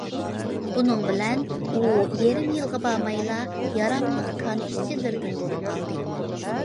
بۇنىڭ بىلەن ئۇ يېرىم يىلغا بارمايلا ياراملىق كان ئىشچىلىرىدىن بولۇپ قالدى.